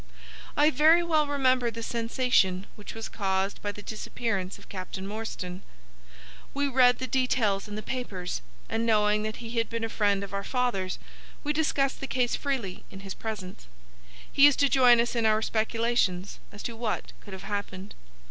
"I very well remember the sensation which was caused by the disappearance of Captain Morstan. We read the details in the papers, and, knowing that he had been a friend of our father's, we discussed the case freely in his presence. He used to join in our speculations as to what could have happened.